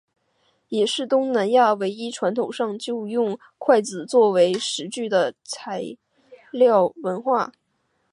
也是东南亚唯一传统上就用筷子作为食具的料理文化。